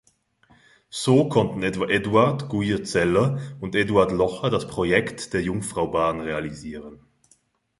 So konnten etwa Eduard Guyer-Zeller und Eduard Locher das Projekt der Jungfraubahn realisieren.